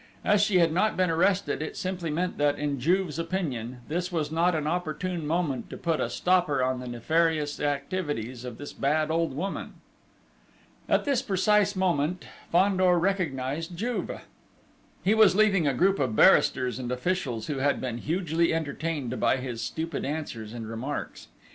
As she had not been arrested, it simply meant that, in Juve's opinion, this was not an opportune moment to put a stopper on the nefarious activities of this bad old woman. At this precise moment, Fandor recognised Juve. He was leaving a group of barristers and officials, who had been hugely entertained by his stupid answers and remarks.